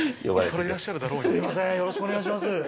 よろしくお願いします